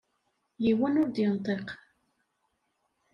Yiwen ur d-yenṭiq.